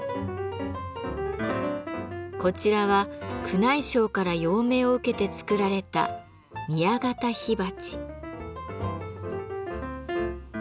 こちらは宮内省から用命を受けて作られた「宮方火鉢」。